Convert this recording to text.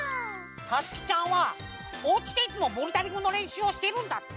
たつきちゃんはおうちでいつもボルダリングのれんしゅうをしているんだって！